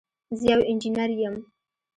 زه یو انجینر یم